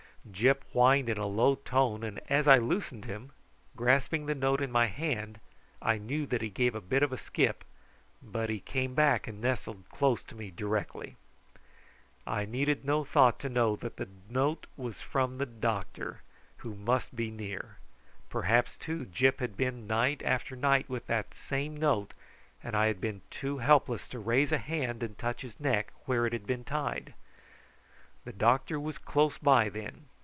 Gyp whined in a low tone, and as I loosened him, grasping the note in my hand, I knew that he gave a bit of a skip, but he came back and nestled close to me directly. I needed no thought to know that the note was from the doctor, who must be near. Perhaps, too, Gyp had been night after night with that same note, and I had been too helpless to raise a hand and touch his neck where it had been tied. The doctor was close by, then.